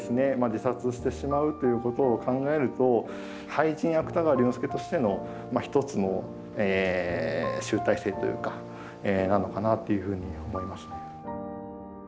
自殺してしまうということを考えると俳人芥川龍之介としての一つの集大成というかなのかなっていうふうに思いますね。